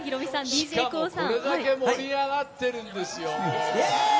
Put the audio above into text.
しかもこれだけ盛り上がってるんですよ。